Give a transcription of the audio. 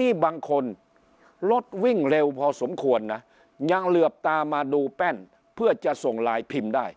นี่บางคนรถวิ่งเร็วพอสมควรนะยังเหลือบตามาดูแป้นเพื่อจะส่งไลน์พิมพ์ได้